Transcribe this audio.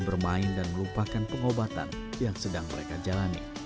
mereka berguna dan bermain dan melupakan pengobatan yang sedang mereka jalani